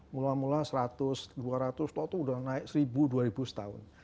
mula mula seratus dua ratus tau tau udah naik seribu dua ribu setahun